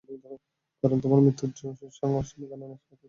কারণ তোমার মৃত্যুর সময় গণনা তো শুরু হয়ে গেছে।